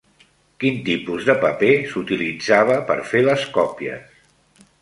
Quin tipus de paper s'utilitzava per fer les còpies?